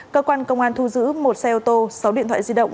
cơ quan công an thu giữ một xe ô tô sáu điện thoại di động